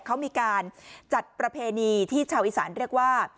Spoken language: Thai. เขามีการจัดประเพณีที่ชาวอีสานเรียกว่า